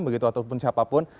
begitu ataupun siapapun